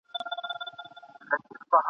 که پاکستان دی که روس ایران دی ..